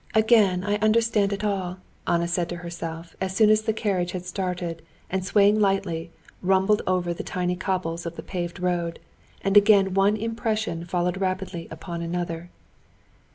Again I understand it all!" Anna said to herself, as soon as the carriage had started and swaying lightly, rumbled over the tiny cobbles of the paved road, and again one impression followed rapidly upon another.